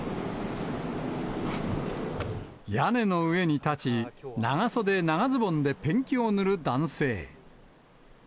屋根の上に立ち、長袖長ズボンでペンキを塗る男性。